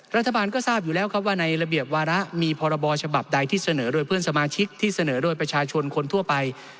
รัฐบาลก็ทราบอยู่แล้วครับว่าในระเบียบวาระมีพรบฉบับใดที่เสนอโดยเพื่อนสมาชิกที่เสนอโดยประชาชนคนทั่วไป